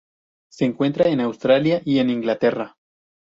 Se encuentra en Austria y en Inglaterra.